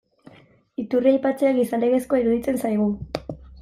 Iturria aipatzea, gizalegezkoa iruditzen zaigu.